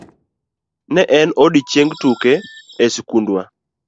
Ne en odiochieng' tuke e skundwa.